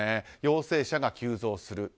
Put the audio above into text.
陽性者が急増する。